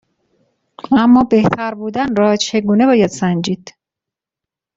اما بهتر بودن را چگونه باید سنجید؟